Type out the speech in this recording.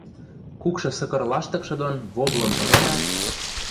Кукшы сыкыр лаштыкшы дон воблым пырылят: